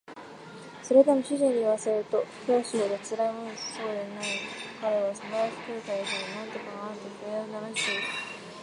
それでも主人に言わせると教師ほどつらいものはないそうで彼は友達が来る度に何とかかんとか不平を鳴らしている